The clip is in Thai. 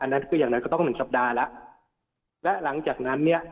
อันนั้นก็อย่างไรก็ต้องหนึ่งสัปดาห์และและหลังจากนั้นเนี่ย